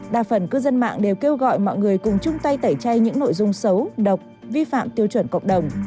đa phần cư dân mạng đều kêu gọi mọi người cùng chung tay tẩy chay những nội dung xấu độc vi phạm tiêu chuẩn cộng đồng